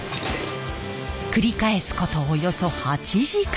繰り返すことおよそ８時間。